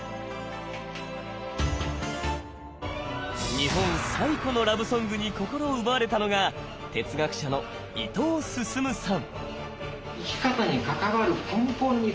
日本最古のラブソングに心を奪われたのが哲学者の伊藤益さん。